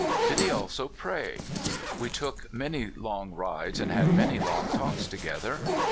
Did he also pray? We took many long rides and had many long talks together.